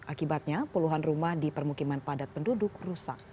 akibatnya puluhan rumah di permukiman padat penduduk rusak